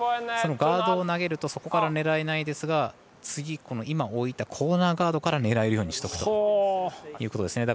そのガードを投げるとそこから狙えないですが次置いたコーナーガードから狙えるようにしておくということです。